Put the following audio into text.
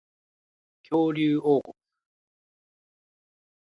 恐竜王国